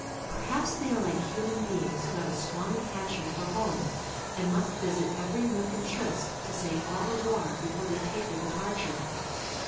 "Perhaps they are like human beings who have a strong attachment for home, and must visit every nook and tryst to say au revoir before they take their departure.